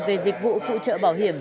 về dịch vụ phụ trợ bảo hiểm